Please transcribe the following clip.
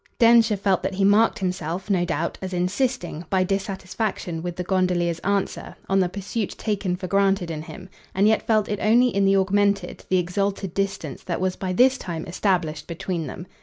Densher felt that he marked himself, no doubt, as insisting, by dissatisfaction with the gondolier's answer, on the pursuit taken for granted in him; and yet felt it only in the augmented, the exalted distance that was by this time established between them.